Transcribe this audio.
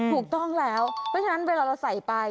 ถูกต้องแล้วเพราะฉะนั้นเวลาเราใส่ไป